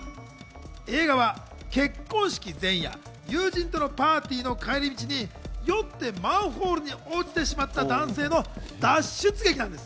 映画は結婚式前夜、友人とのパーティーの帰り道に酔ってマンホールに落ちてしまった男性の脱出劇なんです。